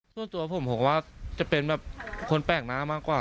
ส่วนตัวผมผมว่าจะเป็นแบบคนแปลกหน้ามากกว่า